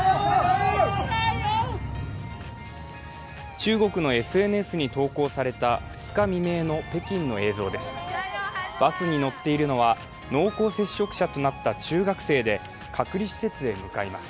中国のＳＮＳに投稿された２日未明の北京の映像です。